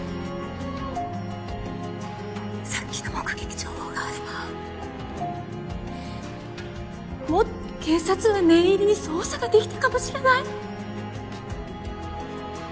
さっきの目撃情報があればもっと警察は念入りに捜査ができたかもしれない。